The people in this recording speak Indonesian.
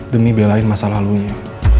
demi belain masa lalunya